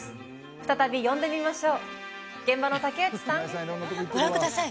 再び呼んでみましょう現場の竹内さんご覧ください